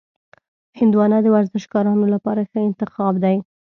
هندوانه د ورزشکارانو لپاره ښه انتخاب دی.